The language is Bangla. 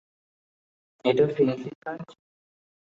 এটা ফেংশির কাজ?